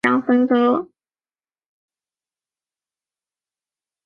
贝尔纳克德巴人口变化图示